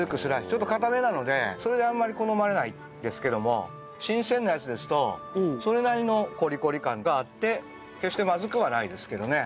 ちょっと硬めなのでそれであんまり好まれないんですけども新鮮なやつですとそれなりのコリコリ感があって決してまずくはないですけどね。